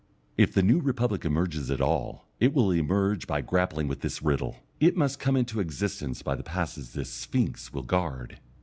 If the New Republic emerges at all it will emerge by grappling with this riddle; it must come into existence by the passes this Sphinx will guard.